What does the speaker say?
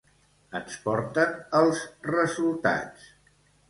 Ens porten els resultats.